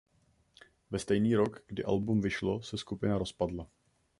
Ve stejný rok kdy album vyšlo se skupina rozpadla.